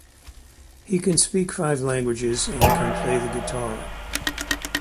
He can speak five languages and can play the guitar.